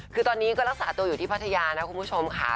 คือตอนนี้ก็รักษาตัวอยู่ที่พัทยานะคุณผู้ชมค่ะ